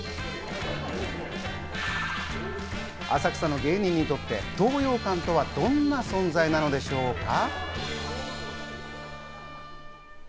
浅草の芸人にとって東洋館とはどんな存在なのでしょうか？